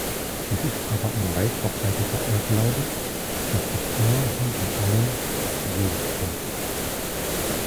Es ist aber ein weit verbreiteter Irrglaube, dass sich Unger hinter allen »G.